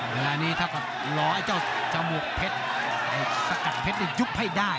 เวลานี้ถ้าหลอเจ้าจมูกเพชรทรกัดเพชรยุบให้ได้